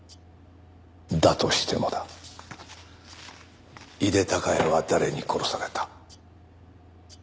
だとしてもだ井手孝也は誰に殺された？